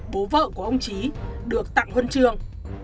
bố vợ của ông trí được tặng huân trường